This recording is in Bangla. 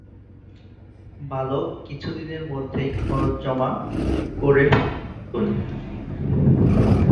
বালক কিছু দিনের মধ্যেই খরচ জমা করে ফেলে দ্বিগুণ।